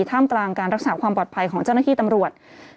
ท่ามกลางการรักษาความปลอดภัยของเจ้นการธรรมชาติ